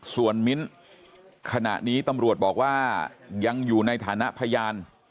ส่วนมิ้นขณะนี้ตำรวจบอกว่ายังอยู่ในฐานะพยาน